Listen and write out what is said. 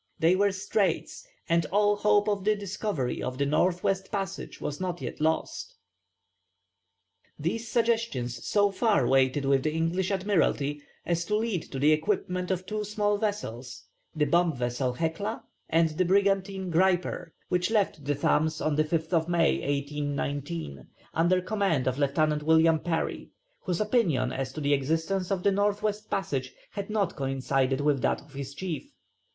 They were straits, and all hope of the discovery of the north west passage was not yet lost. [Illustration: Map of the Arctic Regions. Engraved by E. Morieu.] These suggestions so far weighed with the English Admiralty as to lead to the equipment of two small vessels, the bomb vessel Hecla and the brigantine Griper, which left the Thames on the 5th May, 1819, under command of Lieutenant William Parry, whose opinion as to the existence of the north west passage had not coincided with that of his chief.